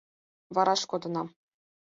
Вараш кодынам.